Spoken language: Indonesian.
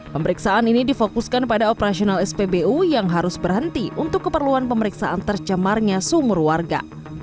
pemeriksaan ini difokuskan pada operasional spbu yang harus berhenti untuk keperluan pemeriksaan tercemarnya sumur warga